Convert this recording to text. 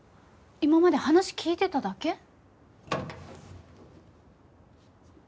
今まで話聞いてただけ？